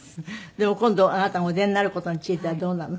でも今度あなたがお出になる事についてはどうなの？